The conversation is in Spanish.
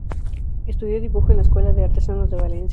Estudió dibujo en la Escuela de Artesanos de Valencia.